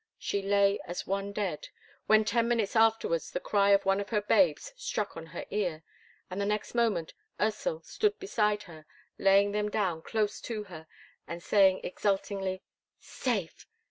She lay as one dead, when ten minutes afterwards the cry of one of her babes struck on her ear, and the next moment Ursel stood beside her, laying them down close to her, and saying exultingly, "Safe!